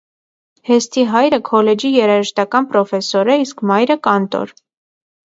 Հեսթի հայրը քոլեջի երաժշտական պրոֆեսոր է, իսկ մայրը՝ կանտոր։